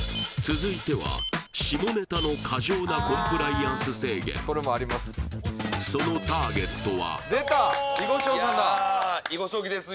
続いては下ネタの過剰なコンプライアンス制限そのターゲットはどうもいや囲碁将棋です